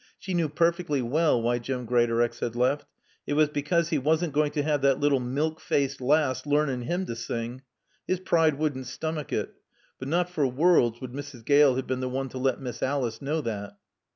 She knew perfectly well why Jim Greatorex had left. It was because he wasn't going to have that little milk faced lass learning him to sing. His pride wouldn't stomach it. But not for worlds would Mrs. Gale have been the one to let Miss Alice know that.